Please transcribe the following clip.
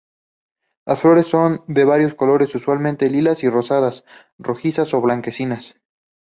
Las flores son de variados colores, usualmente lilas y rosadas, rojizas o blanquecinas.